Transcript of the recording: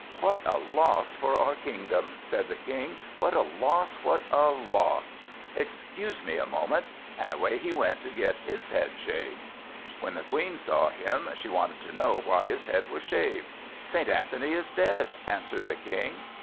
"What a loss for our kingdom," said the King; "what a loss! what a loss! Excuse me a moment," and away he went to get his head shaved. When the Queen saw him, she wanted to know why his head was shaved. "St. Anthony is dead," answered the King.